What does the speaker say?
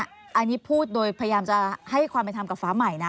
อันนี้พูดโดยพยายามจะให้ความเป็นธรรมกับฟ้าใหม่นะ